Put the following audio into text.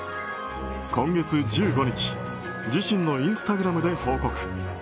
今月１５日自身のインスタグラムで報告。